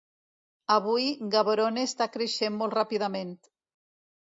Avui Gaborone està creixent molt ràpidament.